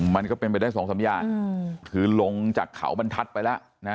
มันก็เป็นไปได้สองสามอย่างคือลงจากเขาบรรทัศน์ไปแล้วนะ